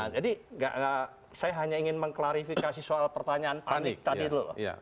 jadi saya hanya ingin mengklarifikasi soal pertanyaan panik tadi dulu